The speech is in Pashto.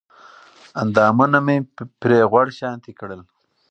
اندامونه مې پرې غوړ شانتې کړل